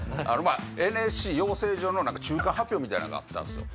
ＮＳＣ養成所の中間発表みたいなんがあったんすよ。